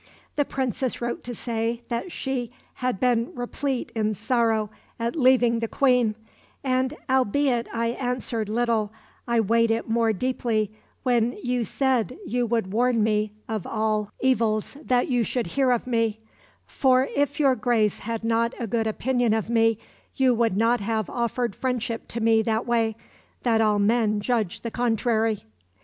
The Princess wrote to say that she had been replete in sorrow at leaving the Queen, "and albeit I answered little, I weighed it more deeply when you said you would warn me of all evils that you should hear of me; for if your Grace had not a good opinion of me, you would not have offered friendship to me that way, that all men judge the contrary."